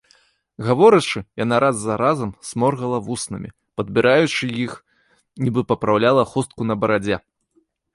Гаворачы, яна раз за разам сморгала вуснамі, падбіраючы іх, нібы папраўляла хустку на барадзе.